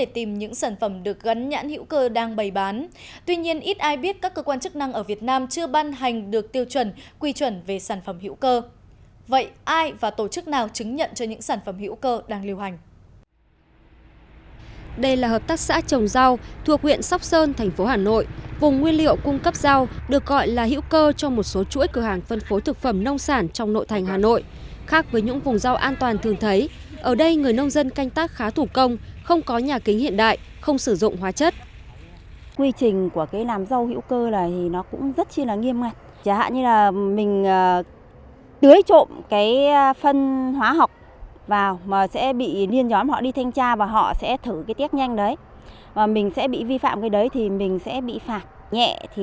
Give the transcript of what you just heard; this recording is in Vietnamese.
trên thị trường người tiêu dùng không khó để tìm những sản phẩm được gắn nhãn hữu cơ đang bày bán